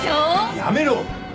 やめろ！